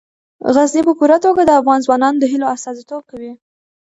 غزني په پوره توګه د افغان ځوانانو د هیلو استازیتوب کوي.